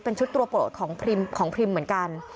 เป็นชุดตัวโปรดของพรีมเหมือนกัน